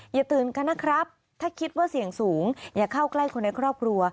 อย่าตื่นกันนะครับถ้าคิดว่าเสี่ยงสูงอย่าเข้าใกล้คนในครอบครัว